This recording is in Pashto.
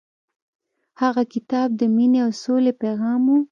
هغه کتاب د مینې او سولې پیغام و.